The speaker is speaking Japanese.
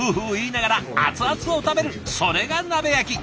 それが鍋焼き！